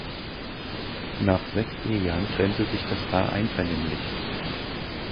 Nach sechs Ehejahren trennte sich das Paar einvernehmlich.